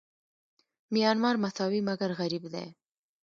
میانمار مساوي مګر غریب دی.